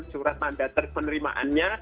surat mandat penerimaannya